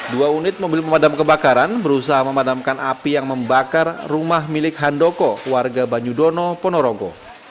dua unit mobil pemadam kebakaran berusaha memadamkan api yang membakar rumah milik handoko warga banyudono ponorogo